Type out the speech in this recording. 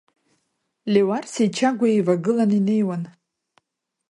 Леуарсеи Чагәи еивагылан инеиуан.